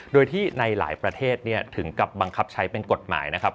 โดยที่ในหลายประเทศถึงกับบังคับใช้เป็นกฎหมายนะครับ